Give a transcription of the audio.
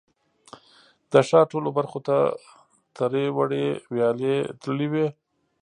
د ښار ټولو برخو ته ترې وړې ویالې تللې وې.